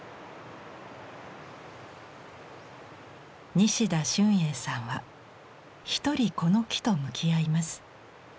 西田俊英さんは一人この木と向き合います。